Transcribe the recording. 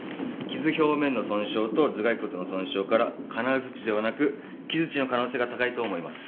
傷表面の損傷と頭蓋骨の損傷から金づちではなく木づちの可能性が高いと思います。